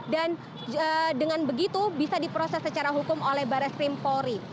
dan dengan begitu bisa diproses secara hukum oleh barreskrim polri